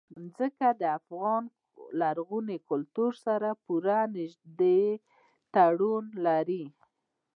ځمکه د افغان لرغوني کلتور سره پوره او نږدې تړاو لري.